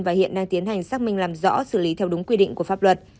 và hiện đang tiến hành xác minh làm rõ xử lý theo đúng quy định của pháp luật